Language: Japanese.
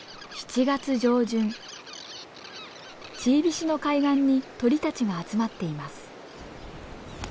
チービシの海岸に鳥たちが集まっています。